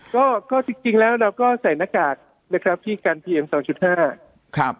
ก็ก็จริงจริงแล้วเราก็ใส่หน้ากากนะครับที่กันเพียงสองจุดห้าครับ